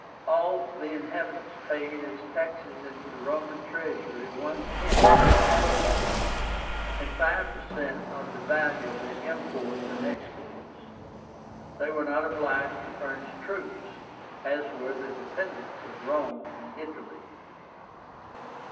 All the inhabitants paid as taxes into the Roman treasury one tenth of their produce, and five per cent of the value of their imports and exports. They were not obliged to furnish troops, as were the dependants of Rome in Italy.